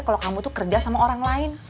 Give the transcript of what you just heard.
kalau kamu tuh kerja sama orang lain